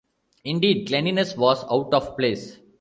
Indeed, cleanliness was out of place.